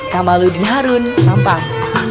kamaludin harun sampai